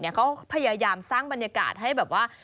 เขาพยายามสร้างบรรยากาศให้แบบว่า